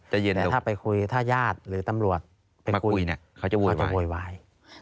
แต่ถ้าไปคุยถ้าญาติหรือตำรวจมาคุยเขาจะโวยวาย